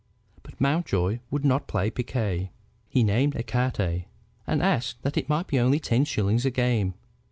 But Mountjoy would not play piquet. He named ecarte, and asked that it might be only ten shillings a game.